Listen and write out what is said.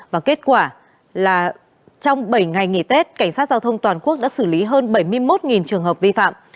và kết quả là trong bảy ngày nghỉ tết cảnh sát giao thông toàn quốc đã xử lý hơn bảy mươi một trường hợp vi phạm